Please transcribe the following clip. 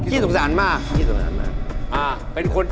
คะแนน๕